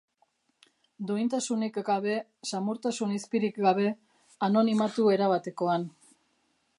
Duintasunik gabe, samurtasun izpirik gabe, anonimatu erabatekoan.